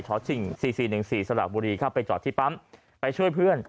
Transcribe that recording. ชอตซิ่งสี่สี่หนึ่งสี่สระบุรีเข้าไปจอดที่ปั๊มไปช่วยเพื่อน